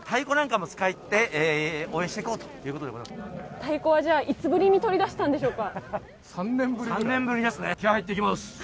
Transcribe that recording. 太鼓はいつぶりに取り出したんでしょうか？